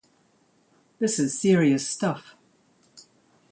This is serious stuff.